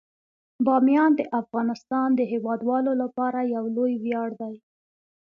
بامیان د افغانستان د هیوادوالو لپاره یو لوی ویاړ دی.